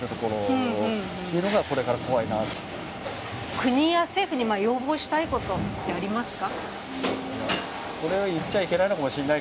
国や政府に要望したいことってありますか？